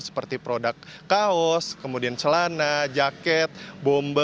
seperti produk kaos kemudian celana jaket bomber